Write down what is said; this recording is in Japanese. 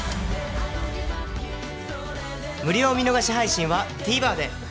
無料見逃し配信は ＴＶｅｒ で